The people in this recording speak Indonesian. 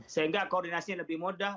sehingga koordinasi lebih mudah